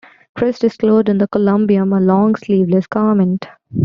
Christ is clothed in the "colobium", a long sleeveless garment.